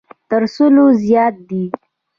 تر سلو زیات دی.